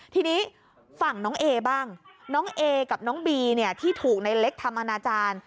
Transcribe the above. ทีนี้ฝั่งน้องเอบ้างน้องเอกับน้องบีเนี่ยที่ถูกในเล็กทำอนาจารย์